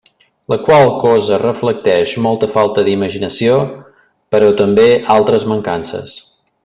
La qual cosa reflecteix molta falta d'imaginació, però també altres mancances.